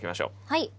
はい。